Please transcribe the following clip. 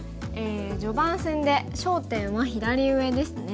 序盤戦で焦点は左上ですね。